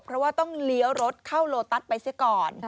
เพราะว่าต้องเลี้ยวรถเข้าโลตัสไปเสียก่อน